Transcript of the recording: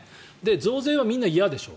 増税はみんな嫌でしょ。